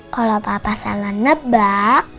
kalo papa salah nebak